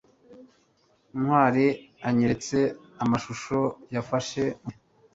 ntwali anyeretse amashusho yafashe mubukwe